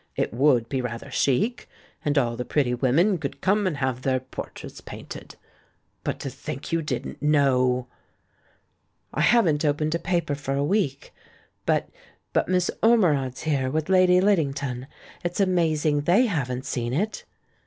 It would be rather chic. And all the pretty women could come and have their portraits painted. But, to think you didn't know!" "I haven't opened a paper for a week. But — but Miss Ormerod's here, with Lady Liddington. It's amazing they haven't seen it."